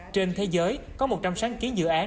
trên thế giới có một trăm linh sáng kiến dự án